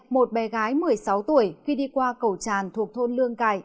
một bé gái một mươi sáu tuổi khi đi qua cầu tràn thuộc thôn lương cải